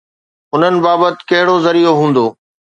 انهن بابت ڪهڙو ذريعو هوندو؟